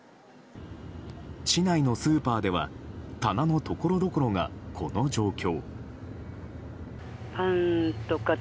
市内のスーパーでは棚のところどころが、この状況。